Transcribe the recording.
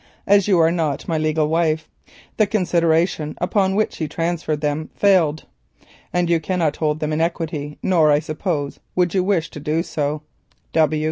As you are not my legal wife the consideration upon which he transferred them fails, and you cannot hold them in equity, nor I suppose would you wish to do so.